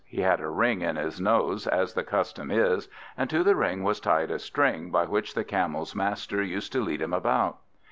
He had a ring in his nose, as the custom is, and to the ring was tied a string, by which the Camel's master used to lead him about.